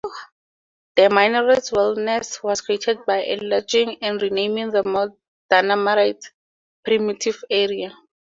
The Minarets Wilderness was created by enlarging and renaming the Mount Dana-Minarets Primitive Area.